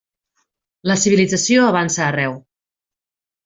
La civilització avança arreu.